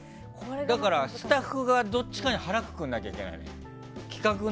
だから、スタッフがどっちかに腹をくくらなきゃいけない。